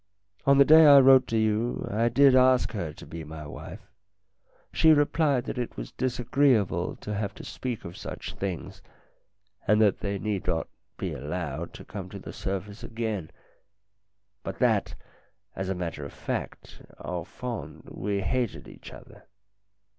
On the day I wrote to you I did ask her to be my wife. She replied that it was disagreeable to have to speak of such things, and that they need not be allowed to come to the surface again, but that, as a matter of fact, au fond we hated one another.